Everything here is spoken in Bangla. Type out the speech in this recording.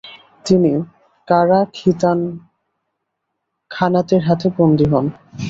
তিনি কারা-খিতান খানাতের হাতে বন্দী হন।